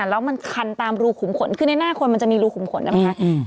แล้วมันคันตามรูขุมขนคือในหน้าคนมันจะมีรูขุมขนนะคะ